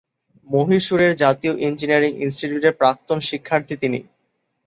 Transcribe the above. মহীশূরের জাতীয় ইঞ্জিনিয়ারিং ইনস্টিটিউটের প্রাক্তন শিক্ষার্থী তিনি।